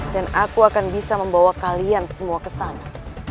dan aku akan bisa membawa kalian semua kesana